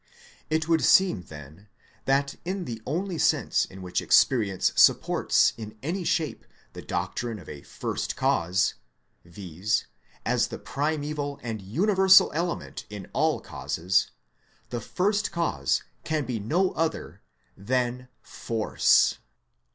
It would seem then that in the only sense in which experience supports in any shape the doctrine of a First Cause, viz., as the primaeval and universal element in all causes, the First Cause can be no other than Force.